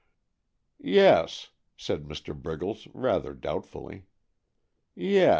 "Yes," said Mr. Briggles rather doubtfully. "Yes!